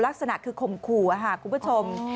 ลักษณะคือข่มขู่ค่ะคุณผู้ชม